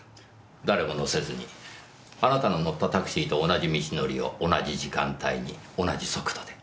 誰も乗せずにあなたの乗ったタクシーと同じ道のりを同じ時間帯に同じ速度で。